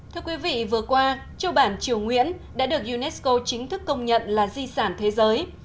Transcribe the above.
thưa quý vị vừa qua châu bản triều nguyễn đã được unesco chính thức công nhận là di sản thế giới